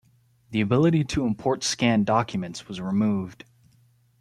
The ability to import scanned documents was removed.